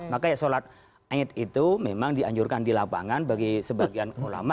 maka sholat ayat itu memang dianjurkan di lapangan bagi sebagian ulama